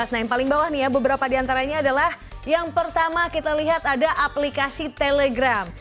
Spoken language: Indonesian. nah yang paling bawah nih ya beberapa diantaranya adalah yang pertama kita lihat ada aplikasi telegram